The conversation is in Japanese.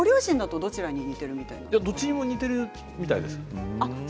どちらにも似ているみたいですよ。